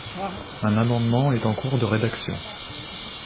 Un amendement est en cours de rédaction.